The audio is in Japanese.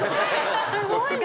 すごいね！